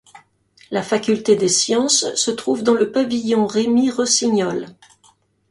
La faculté des sciences se trouve dans le pavillon Rémi-Rossignol.